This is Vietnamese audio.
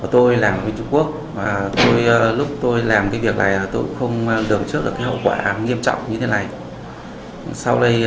tôi làm việc trung quốc lúc tôi làm việc này tôi cũng không được trước được hậu quả nghiêm trọng như thế này